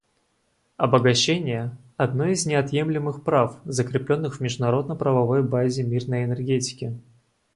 Обогащение — одно из неотъемлемых прав, закрепленных в международно-правовой базе мирной энергетики.